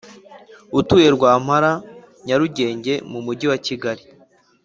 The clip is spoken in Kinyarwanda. utuye Rwampara Nyarugenge m Umujyi wa Kigali